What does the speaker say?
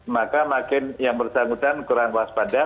maka makin yang bersangkutan kurang waspada